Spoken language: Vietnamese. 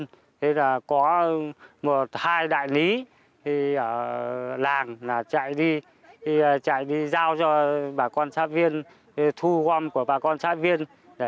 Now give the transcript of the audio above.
thế là có một hai đại lý ở làng chạy đi chạy đi giao cho bà con sát viên thu gom của bà con sát viên